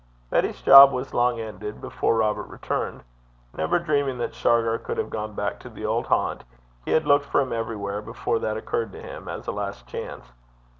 Betty's job was long ended before Robert returned. Never dreaming that Shargar could have gone back to the old haunt, he had looked for him everywhere before that occurred to him as a last chance.